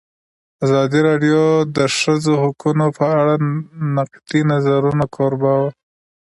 ازادي راډیو د د ښځو حقونه په اړه د نقدي نظرونو کوربه وه.